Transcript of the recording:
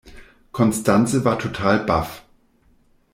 Constanze war total baff.